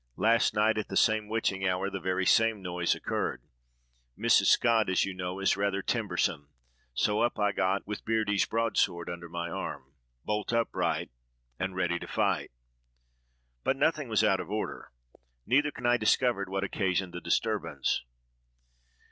Last night, at the same witching hour, the very same noise occurred. Mrs. Scott, as you know, is rather timbersome; so up I got, with Beardie's broadsword under my arm— "Bolt upright, And ready to fight." But nothing was out of order, neither can I discover what occasioned the disturbance.